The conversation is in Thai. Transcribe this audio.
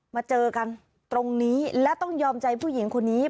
มาเจอกันตรงนี้และต้องยอมใจผู้หญิงคนนี้